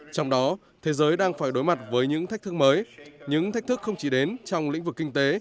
trong đó thế giới đang phải đối mặt với những thách thức mới những thách thức không chỉ đến trong lĩnh vực kinh tế